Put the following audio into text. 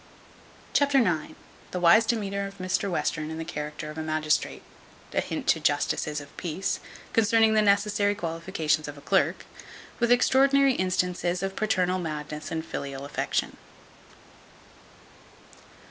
Chapter ix. The wise demeanour of Mr Western in the character of a magistrate. A hint to justices of peace, concerning the necessary qualifications of a clerk; with extraordinary instances of paternal madness and filial affection.